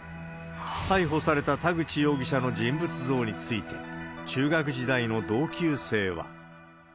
逮捕された田口容疑者の人物像について、中学時代の同級生は。